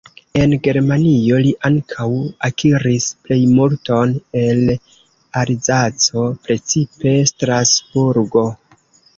En Germanio, li ankaŭ akiris plejmulton el Alzaco, precipe Strasburgo.